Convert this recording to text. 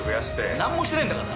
何もしてねえんだから！